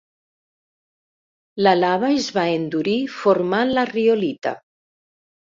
La lava es va endurir formant la riolita.